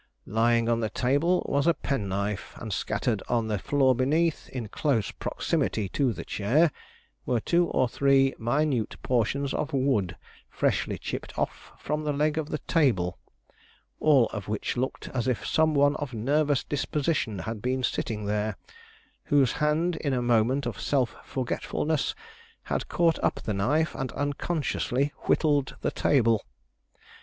Lying on the table was a penknife, and scattered on the floor beneath, in close proximity to the chair, were two or three minute portions of wood freshly chipped off from the leg of the table; all of which looked as if some one of a nervous disposition had been sitting there, whose hand in a moment of self forgetfulness had caught up the knife and unconsciously whittled the table.